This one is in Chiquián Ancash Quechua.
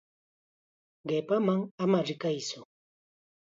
Qipaman ama rikaytsu.